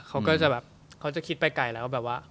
เขาก็จะคิดไปไกลแล้วว่า